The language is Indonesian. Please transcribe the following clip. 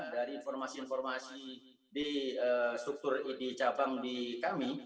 dari informasi informasi di struktur id cabang di kami